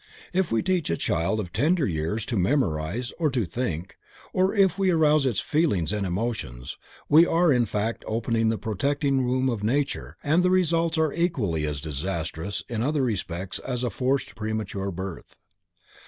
If we teach a child of tender years to memorize, or to think, or if we arouse its feelings and emotions, we are in fact opening the protecting womb of nature and the results are equally as disastrous in other respects as a forced premature birth.